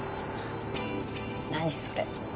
何それ。